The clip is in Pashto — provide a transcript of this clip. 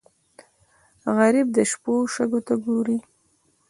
غریب د شپو شګو ته ګوري